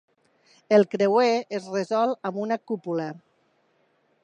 El creuer és resolt amb una cúpula.